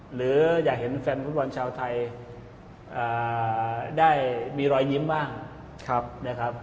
หรืออยากเห็นแฟนฟุตบอลชาวไทยได้มีรอยยิ้มบ้างนะครับ